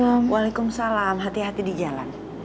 waalaikumsalam hati hati di jalan